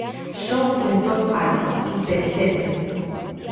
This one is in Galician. Son un lector ávido, impenitente.